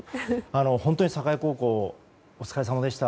本当に境高校お疲れさまでした。